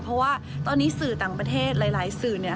เพราะว่าตอนนี้สื่อต่างประเทศหลายสื่อเนี่ย